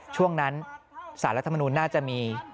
ช่วงนั้นสารรัฐมนุนน่าจะมี